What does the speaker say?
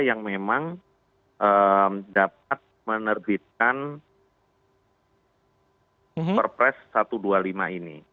yang memang dapat menerbitkan perpres satu ratus dua puluh lima ini